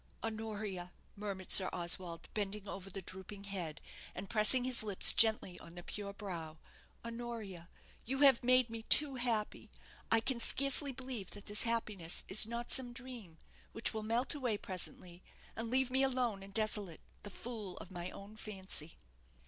"Honoria," murmured Sir Oswald, bending over the drooping head, and pressing his lips gently on the pure brow "Honoria, you have made me too happy. I can scarcely believe that this happiness is not some dream, which will melt away presently, and leave me alone and desolate the fool of my own fancy."